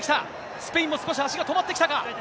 スペインも少し足が止まってきたか。